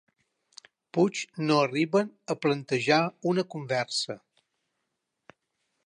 Puig no arriben a plantejar una conversa.